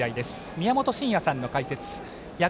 宮本慎也さんの解説。